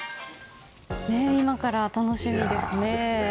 今から楽しみですね。